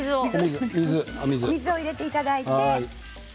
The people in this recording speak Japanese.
入れていただいて。